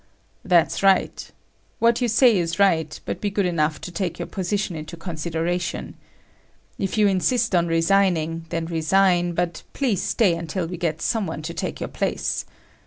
"That's right. What you say is right, but be good enough to take our position into consideration. If you insist on resigning, then resign, but please stay until we get some one to take your place.